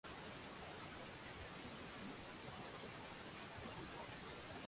inaonekana kuwa utegemezi ama wa kiakili au wa kimwili Kwa hivyo